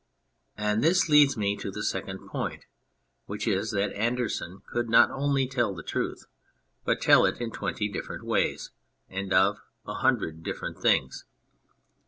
And this leads me to the second point, which is that Andersen could not only tell the truth but tell it in twenty different ways, and of a hundred differ ent things.